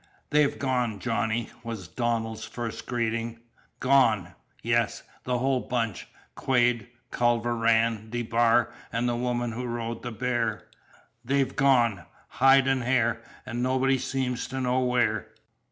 "They've gone, Johnny," was Donald's first greeting. "Gone?" "Yes. The whole bunch Quade, Culver Rann, DeBar, and the woman who rode the bear. They've gone, hide and hair, and nobody seems to know where."